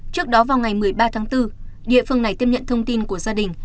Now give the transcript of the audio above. trước đó vào ngày một mươi ba tháng bốn địa phương này tiếp nhận thông tin của gia đình